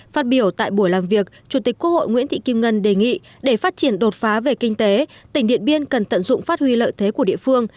phát biểu tại buổi làm việc chủ tịch quốc hội nguyễn thị kim ngân đề nghị để phát triển đột phá về kinh tế tỉnh điện biên cần tận dụng phát huy lợi thế của địa phương